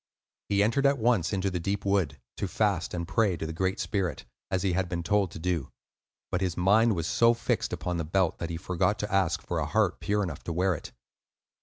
He entered at once into the deep wood to fast and pray to the Great Spirit, as he had been told to do. But his mind was so fixed upon the belt that he forgot to ask for a heart pure enough to wear it.